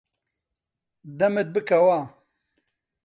دەمت بکەوە.